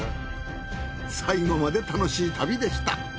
最後まで楽しい旅でした。